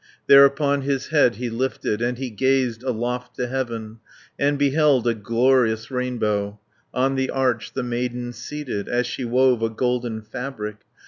Thereupon his head he lifted, And he gazed aloft to heaven, And beheld a glorious rainbow; On the arch the maiden seated As she wove a golden fabric.